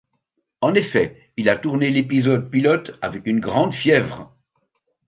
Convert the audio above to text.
En effet, il a tourné l'épisode pilote avec une grande fièvre.